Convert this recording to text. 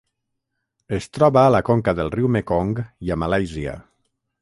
Es troba a la conca del riu Mekong i a Malàisia.